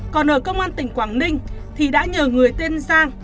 còn ở công an tỉnh quảng ninh thì đã nhờ người tên giang